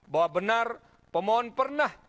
bahwa benar pemohon pernah